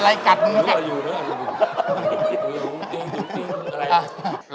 เป็นคุณที่ถูกรู้